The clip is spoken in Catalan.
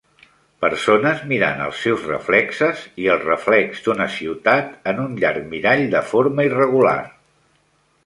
Persones mirant els seus reflexes i el reflex d'una ciutat en un llarg mirall de forma irregular.